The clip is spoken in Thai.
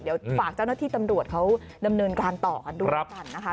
เดี๋ยวฝากเจ้าหน้าที่ตำรวจเขานำเนินการต่อดูกันนะคะ